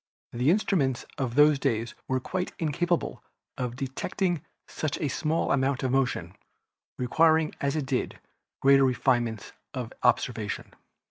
The instruments of those days were quite incapable of detecting such a small amount of motion, requiring as it did greater refine ments of observation.